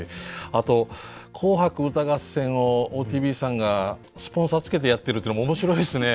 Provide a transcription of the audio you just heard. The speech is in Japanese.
あと「紅白歌合戦」をＯＴＶさんがスポンサーつけてやってるというのも面白いですね。